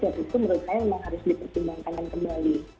itu menurut saya memang harus dipertimbangkan kembali